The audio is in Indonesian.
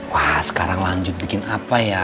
wah sekarang lanjut bikin apa ya